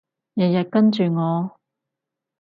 日日跟住我